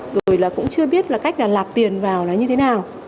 rồi là cũng chưa biết là cách là lạp tiền vào là như thế nào